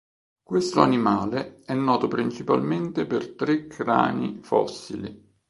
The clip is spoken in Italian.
Questo animale è noto principalmente per tre crani fossili.